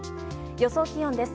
予想気温です。